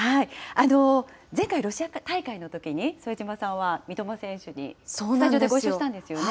前回ロシア大会のときに、副島さんは三笘選手にスタジオでご一緒したんですよね。